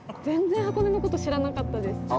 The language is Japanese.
全然箱根の事知らなかったです。